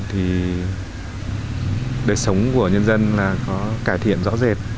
thì đời sống của nhân dân là có cải thiện rõ rệt